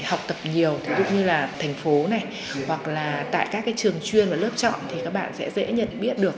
học tập nhiều ví dụ như là thành phố này hoặc là tại các trường chuyên và lớp chọn thì các bạn sẽ dễ nhận biết được